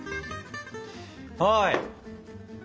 はい。